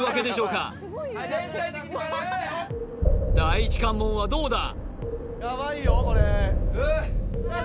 第一関門はどうださあ